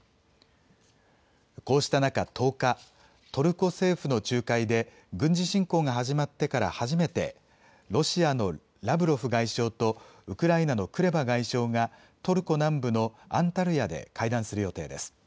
こうした中、１０日トルコ政府の仲介で軍事侵攻が始まってから初めてロシアのラブロフ外相とウクライナのクレバ外相がトルコ南部のアンタルヤで会談する予定です。